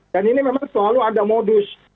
dan ini memang selalu ada modus